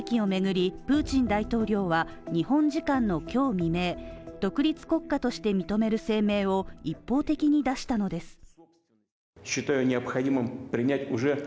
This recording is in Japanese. この二つの地域をめぐり、プーチン大統領は日本時間の今日未明独立国家として認める声明を一方的に出したのです。